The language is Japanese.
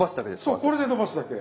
そうこれで伸ばすだけ。